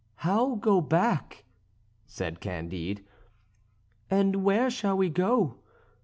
"How go back?" said Candide, "and where shall we go?